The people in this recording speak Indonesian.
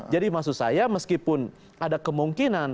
jadi maksud saya meskipun ada kemungkinan